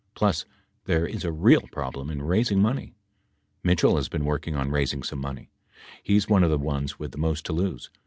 Plus there is a real problem in raising money. Mitchell has been working on raising some money. He is one of the ones with the most to lose.